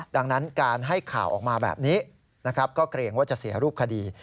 ดังนั้นการให้ข่าวออกมาแบบนี้นะครับก็เกรงว่าจะเสียรูปคดี